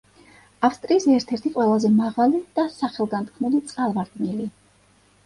ავსტრიის ერთ-ერთი ყველაზე მაღალი და სახელგანთქმული წყალვარდნილი.